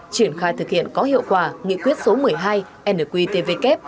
triển khai thực hiện có hiệu quả nghị quyết số một mươi hai nqtvk